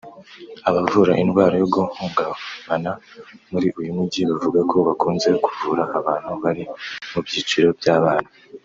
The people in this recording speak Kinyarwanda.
Abavura indwara yo guhungabana muri uyu mujyi bavuga ko bakunze kuvura abantu bari mu byiciro by'abana